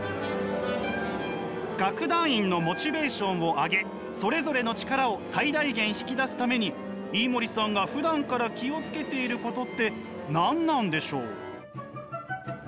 楽団員のモチベーションを上げそれぞれの力を最大限引き出すために飯森さんがふだんから気を付けていることって何なんでしょう？